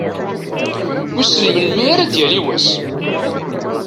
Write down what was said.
Wissen melmi ara d-yali wass?